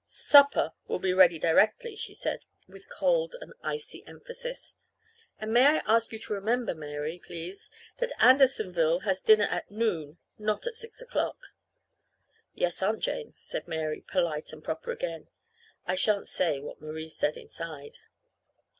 "Supper will be ready directly," she said, with cold and icy emphasis. "And may I ask you to remember, Mary, please, that Andersonville has dinner at noon, not at six o'clock." "Yes, Aunt Jane," said Mary, polite and proper again. (I shan't say what Marie said inside.)